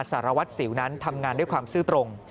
สารวัตรสิวนั้นทำงานด้วยความซื่อตรง